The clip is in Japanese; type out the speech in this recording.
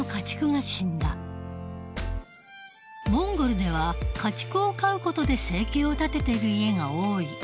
モンゴルでは家畜を飼う事で生計を立てている家が多い。